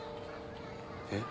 えっ？